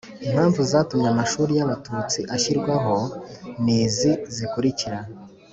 impamvu zatumye amashuri y'abatutsi ashyirwaho ni izi zikurikira